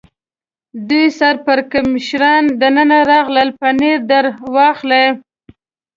دوه سر پړکمشران دننه راغلل، پنیر در واخلئ.